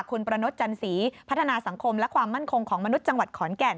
คุณประนดจันสีพัฒนาสังคมและความมั่นคงของมนุษย์จังหวัดขอนแก่น